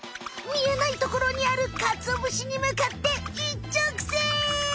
見えないところにあるかつおぶしにむかっていっちょくせん！